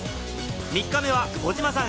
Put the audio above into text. ３日目は児嶋さん